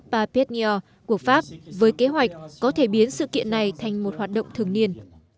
parpét ngheo của pháp với kế hoạch có thể biến sự kiện này thành một hoạt động thường niên